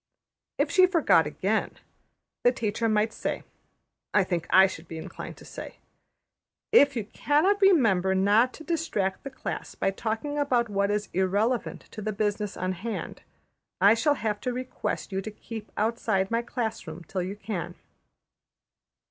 '' If she forgot again, the teacher might say, I think I should be inclined to say: ``If you cannot remember not to distract the class by talking about what is irrelevant to the business on hand, I shall have to request you to keep outside my class room till you can.''